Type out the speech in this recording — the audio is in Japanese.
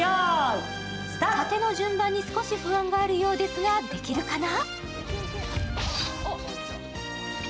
たての順番に少し不安があるようですができるかな？